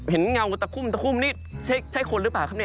เห็นเงาตะคุมนี่ใช่คนหรือเปล่าครับนี่